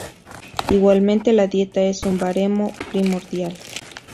Igualmente la dieta es un baremo primordial.